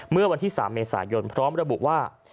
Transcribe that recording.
เมื่อวันที่๓เมษายนพร้อมระบุว่า